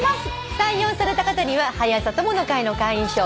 採用された方には「はや朝友の会」の会員証そして。